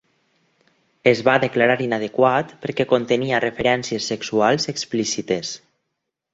Es va declarar inadequat perquè contenia referències sexuals explícites.